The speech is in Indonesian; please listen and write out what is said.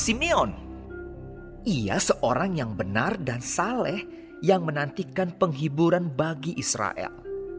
simion ia seorang yang benar dan saleh yang menantikan penghiburan bagi israel